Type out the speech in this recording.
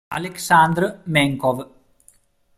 Aleksandr Men'kov